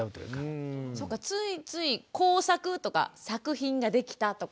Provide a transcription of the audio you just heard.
そうかついつい工作とか作品ができたとか。